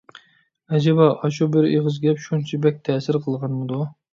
ئەجەبا ئاشۇ بىر ئېغىز گەپ شۇنچە بەك تەسىر قىلغانمىدۇ؟